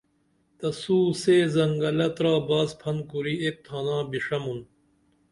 تسو سے زنگلہ ترا باس پھن کُری ایک تھانا بِڜمُن